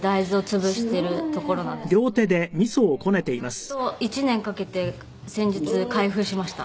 やっと１年かけて先日開封しました。